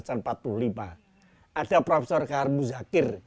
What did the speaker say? ada prof k harimu zakir